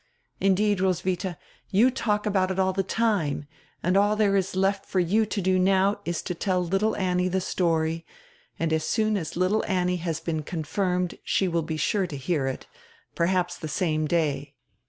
Indeed, Roswitha, you talk about it all die time, and all diere is left for you to do now is to tell little Annie die story, and as soon as littie Annie has been con firmed she will be sure to hear it, perhaps die same day.